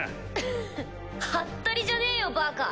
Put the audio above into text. フッハッタリじゃねえよバカ！